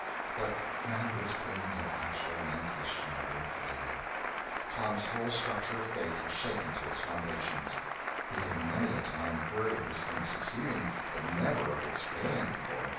But now, this thing had actually and unquestionably failed. Tom's whole structure of faith was shaken to its foundations. He had many a time heard of this thing succeeding but never of its failing before.